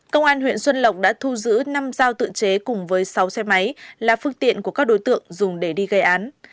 công an huyện xuân lộc đã thu giữ năm dao tự chế cùng với sáu xe máy là phương tiện của các đối tượng dùng để đi gây án